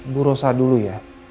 bu rosa dulu ya